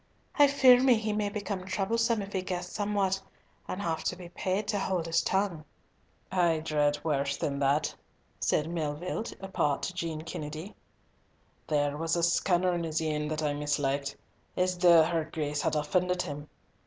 "I fear me he may become troublesome if he guess somewhat, and have to be paid to hold his tongue." "I dread worse than that," said Melville, apart to Jean Kennedy; "there was a scunner in his een that I mislikit, as though her Grace had offended him.